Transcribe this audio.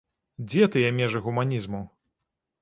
Дзе тыя межы гуманізму?